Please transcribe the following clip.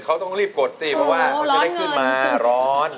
เขาต้องรีบกดไปประมาณระเบิดขึ้นมาร้อน